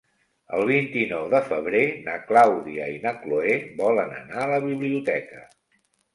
El vint-i-nou de febrer na Clàudia i na Cloè volen anar a la biblioteca.